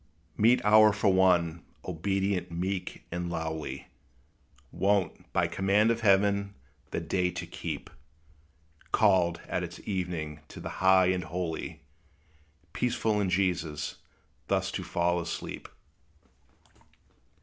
Meet hour for one, obedient, meek, and lowly, Wont, by command of Heaven, the day to keep, Called, at its evening, to the High and Holy, Peaceful in Jesus thus to fall asleep!